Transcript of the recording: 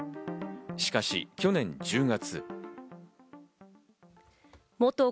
しかし去年１０月。